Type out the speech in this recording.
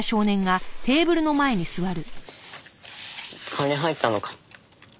金入ったのか？